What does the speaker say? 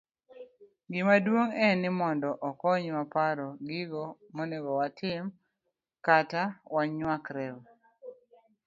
Gimaduong' en ni mondo okonywa paro gigo monego watim kata wanyuakreye